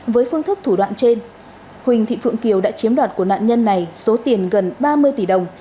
với phương thức thủ đoạn trên huỳnh thị phượng kiều đã chiếm đoạt của nạn nhân này số tiền gần ba mươi tỷ đồng